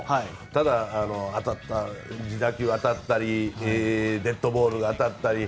ただ、自打球当たったりデッドボールが当たったり。